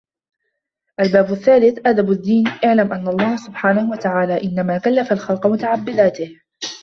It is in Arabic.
الْبَابُ الثَّالِثُ أَدَبُ الدِّينِ اعْلَمْ أَنَّ اللَّهَ سُبْحَانهُ وَتَعَالَى إنَّمَا كَلَّفَ الْخَلْقَ مُتَعَبَّدَاتِهِ